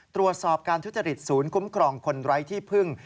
ตรวจสอบการทุจริตศูนย์คุ้มครองคนไร้ที่พึ่ง